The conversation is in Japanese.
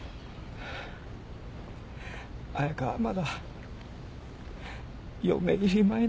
彩佳はまだ嫁入り前の。